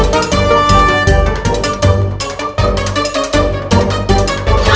jauh lempar aja